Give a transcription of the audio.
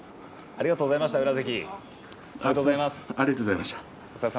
ありがとうございました宇良関。